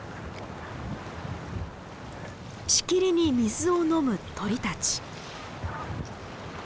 しきりに水を飲む鳥たち。